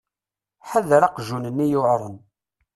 Ḥader aqjun-nni yuεren.